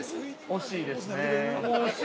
◆惜しいですね。